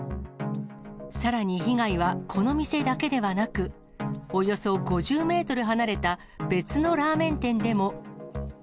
さらに被害は、この店だけではなく、およそ５０メートル離れた、別のラーメン店でも。